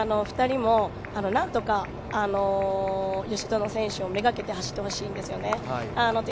２人もなんとか吉薗選手を目がけて走ってほしいんですよね。